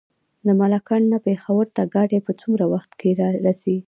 د ملاکنډ نه پېښور ته ګاډی په څومره وخت کې رسي؟